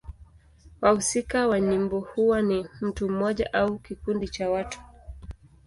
Wahusika wa nyimbo huwa ni mtu mmoja au kikundi cha watu.